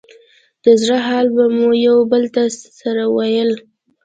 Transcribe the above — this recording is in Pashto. د زړه حال به مو يو بل ته سره ويل.